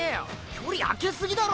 距離あけすぎだろ。